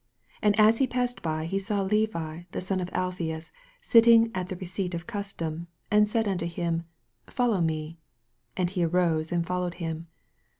14 And as he passed by, he saw Levi the son of Alphseus sitting at the receipt of custom, and said unto him, Follow me. And he arose and followed him.